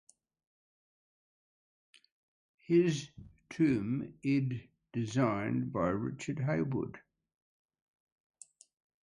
His tomb id designed by Richard Hayward.